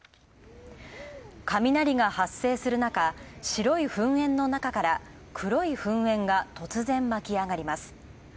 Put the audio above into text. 雷が発生するなか、白い噴煙の中から、黒い噴煙が突然巻き上がります。